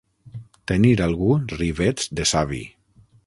Tenir algú rivets de savi.